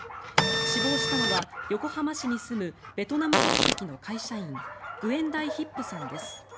死亡したのは横浜市に住むベトナム国籍の会社員グエン・ダイ・ヒップさんです。